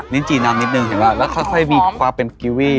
นิจจินำนิดนึงและค่อยมีความเป็นคิวอี้